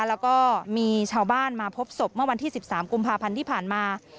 แล้วก็มีชาวบ้านมาพบศพเมื่อวันที่๑๓กุมภาพันธ์ที่ผ่านมา